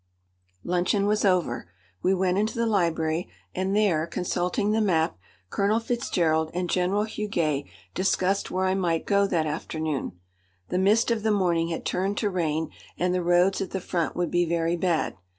Luncheon was over. We went into the library, and there, consulting the map, Colonel Fitzgerald and General Huguet discussed where I might go that afternoon. The mist of the morning had turned to rain, and the roads at the front would be very bad.